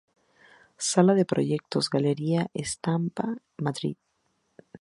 Sala de Proyectos, Galería Estampa, Madrid.